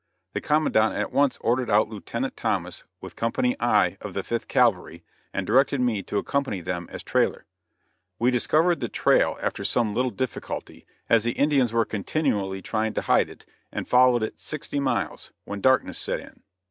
The commandant at once ordered out Lieutenant Thomas with Company I of the Fifth Cavalry, and directed me to accompany them as trailer. We discovered the trail after some little difficulty, as the Indians were continually trying to hide it, and followed it sixty miles, when darkness set in.